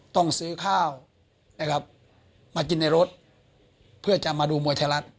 ต้องซื้อข้าวนะครับมากินในรถเพื่อจะมาดูมวยไทยรัฐ